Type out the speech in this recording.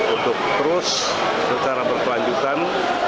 untuk terus secara berkelanjutan